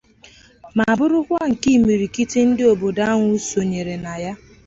ma bụrụkwa nke imirikiti ndị obodo ahụ sonyere na ya